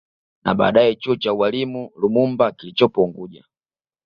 Na baadaye chuo cha ualimu Lumumba kilichopo unguja